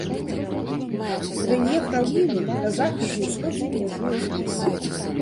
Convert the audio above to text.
Рэльеф раўнінны, на захадзе і ўсходзе мяжуе з лесам.